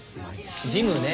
ジムね。